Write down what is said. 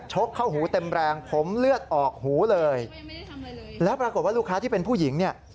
กเข้าหูเต็มแรงผมเลือดออกหูเลยแล้วปรากฏว่าลูกค้าที่เป็นผู้หญิงเนี่ย